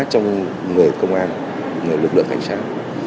trong người công an lực lượng cảnh sát